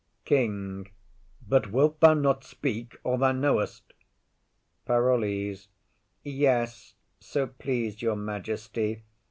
KING. But wilt thou not speak all thou know'st? PAROLLES. Yes, so please your majesty.